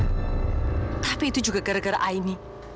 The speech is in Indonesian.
tapi itu juga gara gara aini